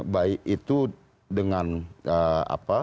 baik itu dengan alasan